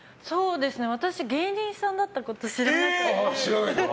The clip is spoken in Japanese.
私、芸人さんだったこと知らなかったです。